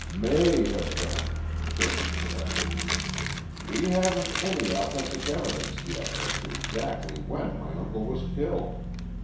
"May have been," Kirby corrected. "We haven't any authentic evidence yet as to exactly when my uncle was killed.